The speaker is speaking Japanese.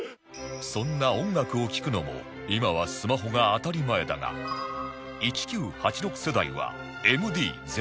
そんな音楽を聴くのも今はスマホが当たり前だが１９８６世代は ＭＤ 全盛期